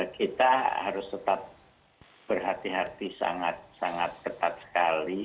kita harus tetap berhati hati sangat sangat ketat sekali